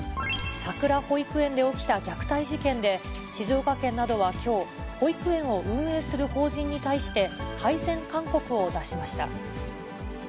さくら保育園で起きた虐待事件で、静岡県などはきょう、保育園を運営する法人に対して、改善勧告を出しました。